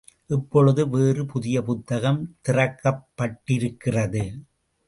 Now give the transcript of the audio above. இப்பொழுது வேறு புதிய புத்தகம் திறக்கப்பட்டிருக்கிறது.